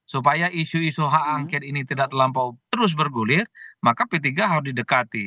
supaya isu isu hak angket ini tidak terlampau terus bergulir maka p tiga harus didekati